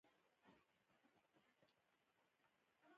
په افغانستان کې د ښارونو تاریخ ډېر اوږد دی.